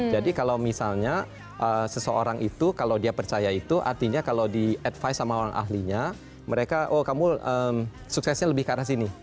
jadi kalau misalnya seseorang itu kalau dia percaya itu artinya kalau di advise sama orang ahlinya mereka oh kamu suksesnya lebih ke arah sini